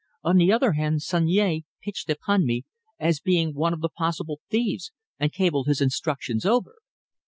On the other hand Sunyea pitched upon me as being one of the possible thieves, and cabled his instructions over."